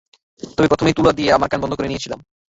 তবে প্রথমেই তুলা দিয়ে আমি আমার কান বন্ধ করে নিয়েছিলাম।